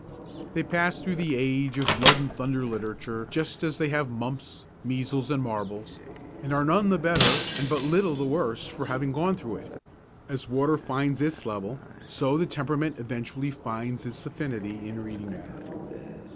They pass through the age of blood and thunder literature just as they have mumps, measles and marbles, and are none the better and but little the worse for having gone through it. As water finds its level, so the temperament eventually finds its affinity in reading matter.